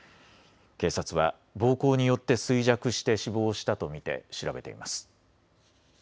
警察は暴行によって衰弱して死亡したと見て調べています。